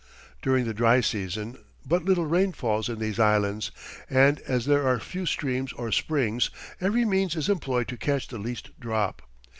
During the dry season but little rain falls in these islands, and as there are few streams or springs, every means is employed to catch the least drop.